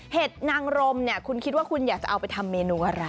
นางรมเนี่ยคุณคิดว่าคุณอยากจะเอาไปทำเมนูอะไร